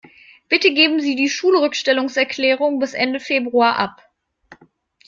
Bitte geben Sie die Schulrückstellungserklärung bis Ende Februar ab.